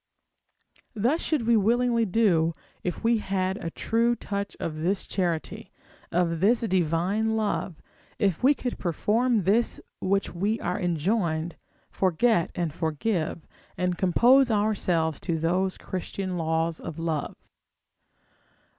Thus should we willingly do, if we had a true touch of this charity, of this divine love, if we could perform this which we are enjoined, forget and forgive, and compose ourselves to those Christian laws of love.